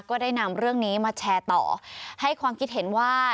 ก็ได้นำเรื่องนี้มาแชร์ต่อให้ความคิดเห็นว่า